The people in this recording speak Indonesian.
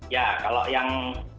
ya kalau yang